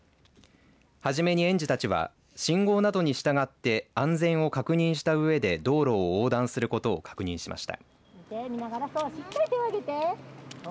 初めに園児たちは信号などに従って安全を確認したうえで道路を横断することを確認しました。